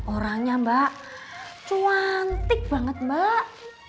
orangnya mbak cuantik banget mbak